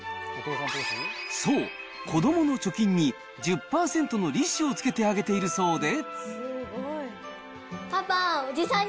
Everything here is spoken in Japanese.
そう、こどもの貯金に１０％の利子をつけてあげているそうで。